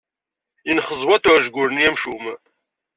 Yenxeẓwaṭ uɛejgur-nni amcum.